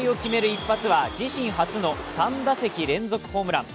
一発は自身初の３打席連続ホームラン。